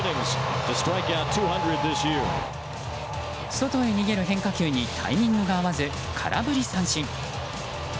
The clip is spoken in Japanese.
外へ投げる変化球にタイミングが合わず空振り三振。